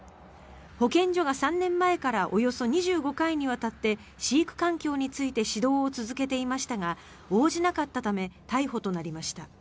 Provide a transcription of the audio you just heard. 保健所が３年前からおよそ２５回にわたって飼育環境について指導を続けていましたが応じなかったため逮捕となりました。